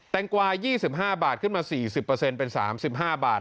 แตงกวาย๒๕บาทขึ้นมา๔๐เปอร์เซ็นต์เป็น๓๕บาท